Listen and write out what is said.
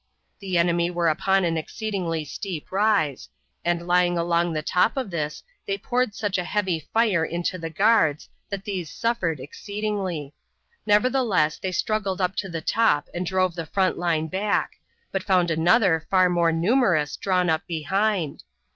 The enemy were upon an exceedingly steep rise, and lying along the top of this they poured such a heavy fire into the guards that these suffered exceedingly; nevertheless they struggled up to the top and drove the front line back, but found another far more numerous drawn up behind.